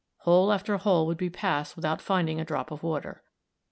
Hole after hole would be passed without finding a drop of water.